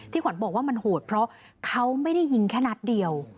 ขวัญบอกว่ามันโหดเพราะเขาไม่ได้ยิงแค่นัดเดียว